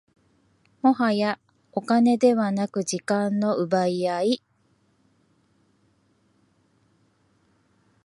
もはやお金ではなく時間の奪い合い